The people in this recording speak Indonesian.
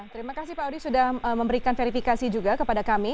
terima kasih pak audi sudah memberikan verifikasi juga kepada kami